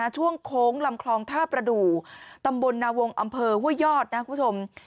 ช่วงโค้งลำคลองท่าประดูกตำบลนาวงศ์อำเภอห้วยยอดนะคุณผู้ชม